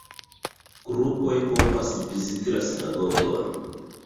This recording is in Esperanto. Grupoj povas viziti la sinagogon.